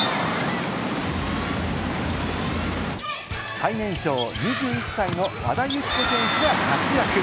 最年少２１歳の和田由紀子選手が活躍。